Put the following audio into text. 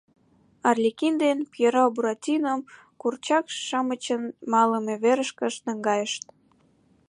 Арлекин ден Пьеро Буратином курчак-шамычын малыме верышкышт наҥгайышт.